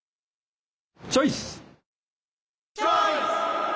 チョイス！